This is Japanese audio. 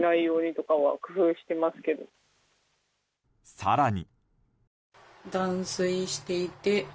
更に。